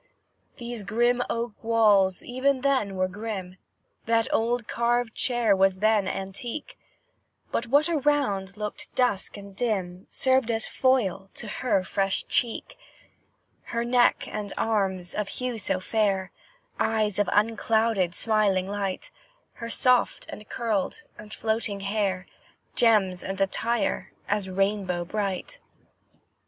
These grim oak walls even then were grim; That old carved chair was then antique; But what around looked dusk and dim Served as a foil to her fresh cheek; Her neck and arms, of hue so fair, Eyes of unclouded, smiling light; Her soft, and curled, and floating hair, Gems and attire, as rainbow bright.